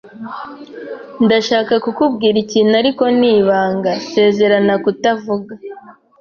Ndashaka kukubwira ikintu, ariko ni ibanga. Sezerana kutavuga.